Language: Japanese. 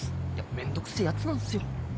めんどくせえやつなんすよ。